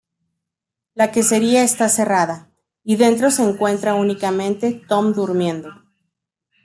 La quesería está cerrada y dentro se encuentra únicamente Tom durmiendo.